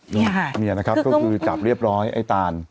นี่ค่ะคือต้องมีอะไรนะครับก็คือจับเรียบร้อยไอ้ตาน